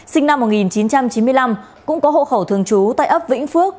võ văn quế sinh năm một nghìn chín trăm chín mươi năm cũng có hậu khẩu thường trú tại ấp vĩnh phước